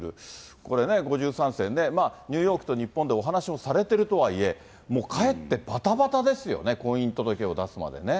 これね、５３世ね、ニューヨークと日本でお話をされてるとはいえ、もう帰ってばたばたですよね、婚姻届を出すまでね。